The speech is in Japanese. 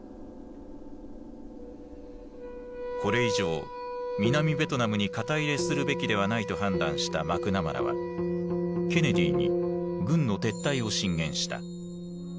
これ以上南ベトナムに肩入れするべきではないと判断したマクナマラはケネディに軍の撤退を進言した。